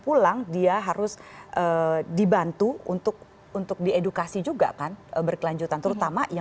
pulang dia harus dibantu untuk untuk diedukasi juga kan berkelanjutan terutama yang